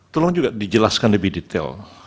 tolong juga dijelaskan lebih detail